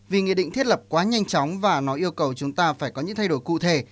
vì nghị định thiết lập quá nhanh chóng và nó yêu cầu chúng ta phải có những thay đổi cụ thể